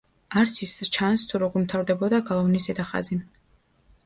არც ის ჩანს, თუ როგორ მთავრდებოდა გალავნის ზედა ხაზი.